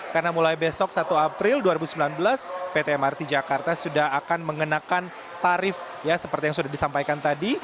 karena mulai besok satu april dua ribu sembilan belas pt mrt jakarta sudah akan mengenakan tarif ya seperti yang sudah disampaikan tadi